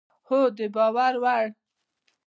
هو، د باور وړ